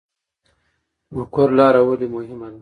مقر لاره ولې مهمه ده؟